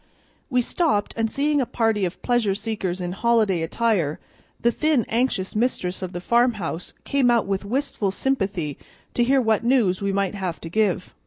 We stopped, and seeing a party of pleasure seekers in holiday attire, the thin, anxious mistress of the farmhouse came out with wistful sympathy to hear what news we might have to give.